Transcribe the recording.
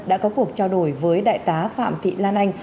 đã có cuộc trao đổi với đại tá phạm thị lan anh